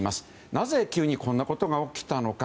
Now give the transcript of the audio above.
なぜ急にこんなことが起きたのか。